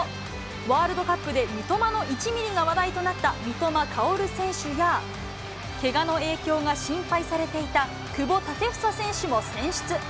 ワールドカップで三笘の１ミリが話題となった三笘薫選手や、けがの影響が心配されていた久保建英選手も選出。